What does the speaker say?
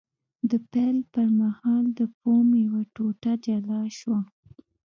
د پیل پر مهال د فوم یوه ټوټه جلا شوه.